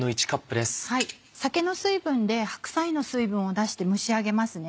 酒の水分で白菜の水分を出して蒸し上げますね。